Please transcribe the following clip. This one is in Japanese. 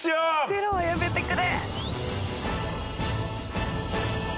０はやめてくれ！